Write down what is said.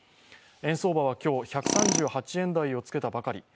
円相場は今日、１３８円台をつけたばかり。